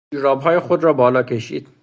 او جورابهای خود را بالا کشید.